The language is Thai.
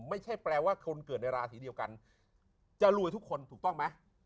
ไม่ใช่แปลว่าคนเกิดในราศีเดียวกันจะรวยทุกคนถูกต้องไหม